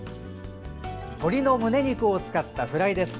鶏のむね肉を使ったフライです。